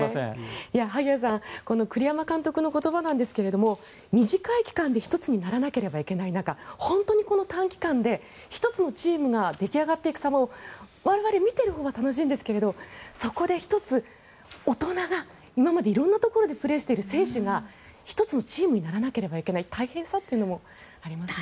萩谷さん栗山監督の言葉なんですが短い期間で一つにならなければいけない中本当にこの短期間で１つのチームができあがっていくさまを我々、見ているほうは楽しいんですけどそこで１つ大人が今まで色んなところでプレーをしている選手が１つのチームにならなければいけない大変さもありますね。